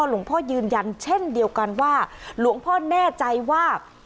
ยืนยันเช่นเดียวกันว่าหลวงพ่อแน่ใจว่า